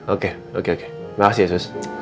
oke oke oke makasih ya suster